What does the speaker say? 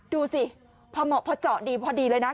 ดูสิพอเหมาะพอเจาะดีพอดีเลยนะ